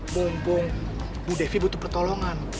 mumpung bu devi butuh pertolongan